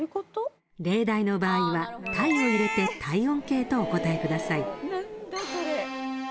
例題の場合はタイを入れてタイオンケイとお答えください。